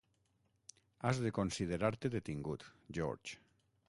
Has de considerar-te detingut, George.